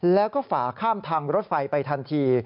แล้วก็ฝาข้ามทางรถไฟไปทันที